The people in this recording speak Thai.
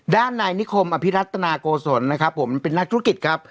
ด้านนายนิคมอภิรัตนาโกศลนะครับผมเป็นนักธุรกิจครับ